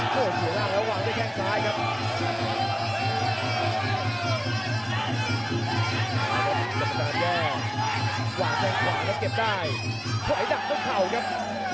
กระโดยสิ้งเล็กนี่ออกกันขาสันเหมือนกันครับ